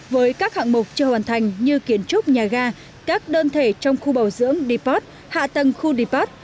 với các hạng mục chưa hoàn thành như kiến trúc nhà ga các đơn thể trong khu bảo dưỡng deport hạ tầng khu depart